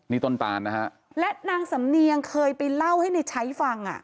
นี่ต้นตานนะฮะและนางสำเนียงเคยไปเล่าให้ในใช้ฟังอ่ะ